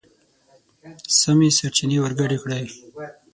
سمې سرچينې ورګډې کړئ!.